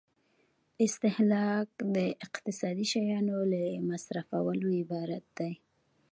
استهلاک د اقتصادي شیانو له مصرفولو عبارت دی.